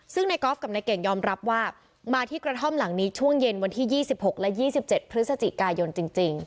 ซึ่งในกอล์ฟกับนายเก่งยอมรับว่ามาที่กระท่อมหลังนี้ช่วงเย็นวันที่๒๖และ๒๗พฤศจิกายนจริง